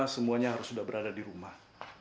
semuanya harus sudah berada di rumah